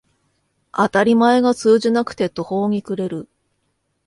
当たり前が通じなくて途方に暮れる